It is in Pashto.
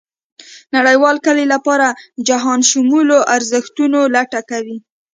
نړېوال کلي لپاره جهانشمولو ارزښتونو لټه کوي.